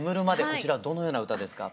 こちらどのような歌ですか？